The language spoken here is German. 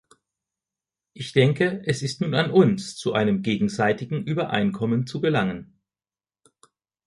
Ich denke, es ist nun an uns, zu einem gegenseitigen Übereinkommen zu gelangen.